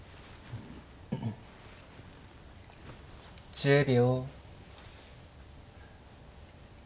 １０秒。